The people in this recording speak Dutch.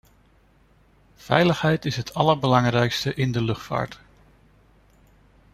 Veiligheid is het allerbelangrijkste in de luchtvaart.